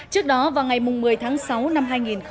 trước đó vào ngày một mươi tháng sáu năm hai nghìn một mươi chín